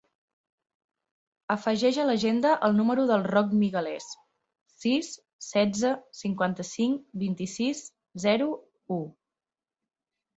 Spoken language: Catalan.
Afegeix a l'agenda el número del Roc Miguelez: sis, setze, cinquanta-cinc, vint-i-sis, zero, u.